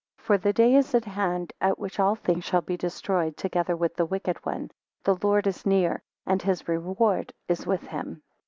10 For the day is at hand in which all things shall be destroyed, together with the wicked one. The Lord is near, and his reward is with him.